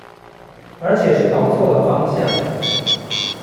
而且是搞錯了方向